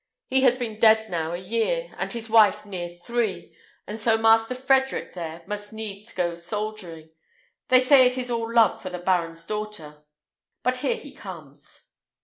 He has been dead now a year, and his wife near three; and so Master Frederick there must needs go soldiering. They say it is all love for the baron's daughter. But here he comes."